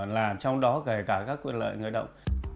là trong đó gây cả các quyền lợi người lao động